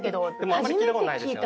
あんまり聞いたことないですよね。